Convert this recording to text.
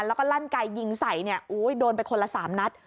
แล้วก็ลั่นไกยิงใส่เนี่ยโอ้ยโดนไปคนละ๓นัด